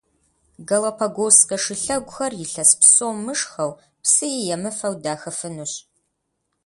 Галапагосскэ шылъэгухэр илъэс псо мышхэу, псыи емыфэу дахыфынущ.